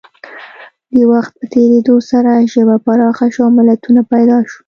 د وخت په تېرېدو سره ژبه پراخه شوه او متلونه پیدا شول